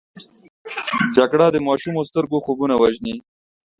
جګړه د ماشومو سترګو خوبونه وژني